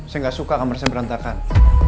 saya gak suka kamarnya berantakan